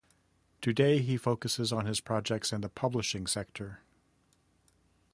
Today he focuses on his projects in the publishing sector.